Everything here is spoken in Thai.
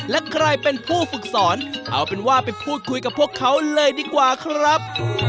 และใครเป็นผู้ฝึกสอนเอาเป็นว่าไปพูดคุยกับพวกเขาเลยดีกว่าครับ